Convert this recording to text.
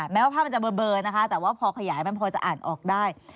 แม้ว่าภาพมันจะเบอร์นะคะแต่ว่าพอขยายมันพอจะอ่านออกได้